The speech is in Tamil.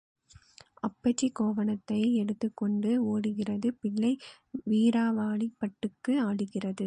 அப்பச்சி கோவணத்தை எடுத்துக் கொண்டு ஓடுகிறது பிள்ளை வீரவாளிப் பட்டுக்கு அழுகிறது.